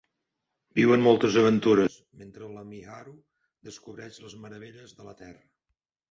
Viuen moltes aventures mentre la Miharu descobreix les meravelles de la Terra.